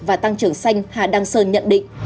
và tăng trưởng xanh hà đăng sơn nhận định